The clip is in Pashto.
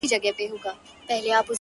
الله اکبر ـ الله اکبر ـ